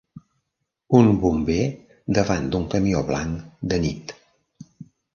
Un bomber davant d'un camió blanc de nit